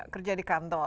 kerja di kantor